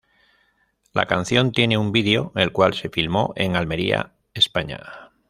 La canción tiene un video, el cual se filmó en Almería, España.